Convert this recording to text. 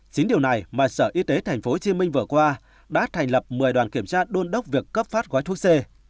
chính điều này mà sở y tế tp hcm vừa qua đã thành lập một mươi đoàn kiểm tra đôn đốc việc cấp phát gói thuốc c